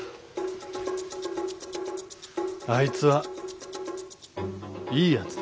あいつはいいやつだ。